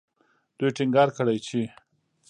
دوی ټینګار کړی چې